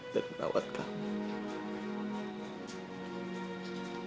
dan merawat kamu